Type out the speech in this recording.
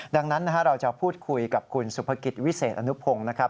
ดังนั้นเราจะพูดคุยกับคุณสุภกิจวิเศษอนุพงศ์นะครับ